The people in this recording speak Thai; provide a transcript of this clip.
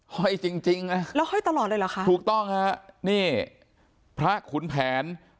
ห้อยจริงจริงนะแล้วห้อยตลอดเลยเหรอคะถูกต้องฮะนี่พระขุนแผน